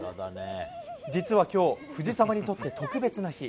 実はきょう、藤澤にとって特別な日。